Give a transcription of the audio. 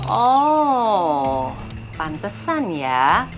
oh pantesan ya